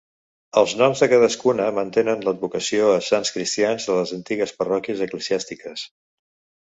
Els noms de cadascuna mantenen l'advocació a sants cristians de les antigues parròquies eclesiàstiques.